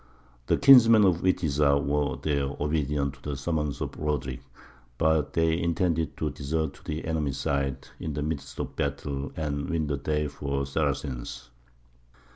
The kinsmen of Witiza were there, obedient to the summons of Roderick; but they intended to desert to the enemy's side in the midst of the battle and win the day for the Saracens.